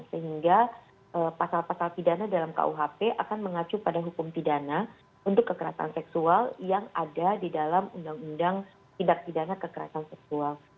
sehingga pasal pasal pidana dalam kuhp akan mengacu pada hukum pidana untuk kekerasan seksual yang ada di dalam undang undang tindak pidana kekerasan seksual